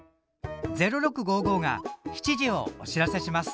「０６５５」が７時をお知らせします。